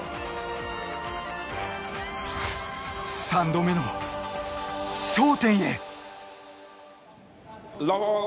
３度目の頂点へ。